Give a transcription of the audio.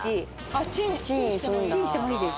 チンしてもいいんだ。